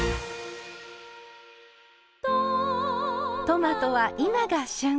トマトは今が旬。